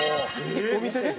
お店で？